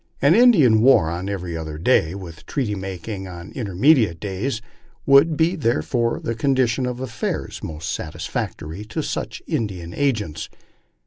An Indian war on every other day, with treaty making on intermediate days, would be therefore the condition of affairs most satisfactory to such Indian agents.